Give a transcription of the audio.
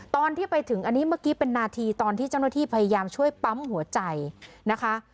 ตอนที่ไปถึงอันนี้เมื่อกี้เป็นนาทีตอนที่เจ้าหน้าที่พยายามช่วยปั๊มหัวใจนะคะ